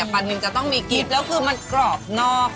ปลานินจะต้องมีกลิ่นแล้วคือมันกรอบนอก